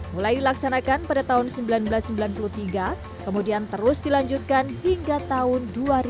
mulai dilaksanakan pada tahun seribu sembilan ratus sembilan puluh tiga kemudian terus dilanjutkan hingga tahun dua ribu dua